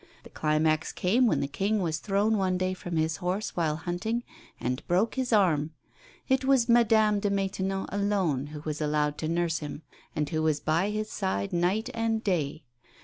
The climax came when the King was thrown one day from his horse while hunting, and broke his arm. It was Madame de Maintenon alone who was allowed to nurse him, and who was by his side night and day.